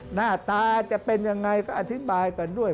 หน้าตาจะเป็นยังไงก็อธิบายกันด้วย